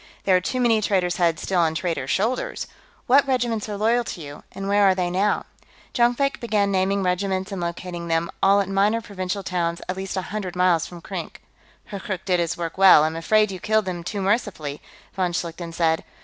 "There are too many traitors' heads still on traitors' shoulders.... What regiments are loyal to you, and where are they now?" Jonkvank began naming regiments and locating them, all at minor provincial towns at least a hundred miles from Krink. "Hurkkurk did his work well; I'm afraid you killed him too mercifully," von Schlichten said.